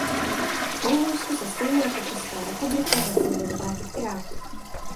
Mongolsko se stejně jako Česká republika zapojilo do války v Iráku.